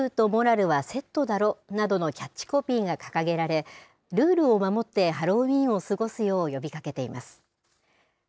自由とモラルはセットだろ？などのキャッチコピーが掲げられ、ルールを守ってハロウィーンを過ごすよう呼びかけています。